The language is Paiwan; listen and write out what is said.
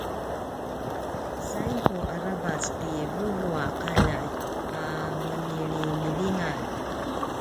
saigu aravac ti vuvuaqaljay a menilimilingan